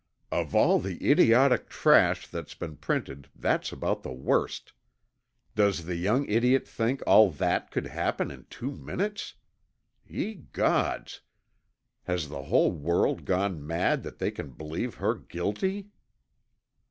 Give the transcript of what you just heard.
"Of all the idiotic trash that has been printed that's about the worst. Does the young idiot think all that could happen in two minutes? Ye gods, has the whole world gone mad that they can believe her guilty!"